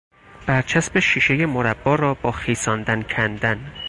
بر چسب شیشه مربا را با خیساندن کندن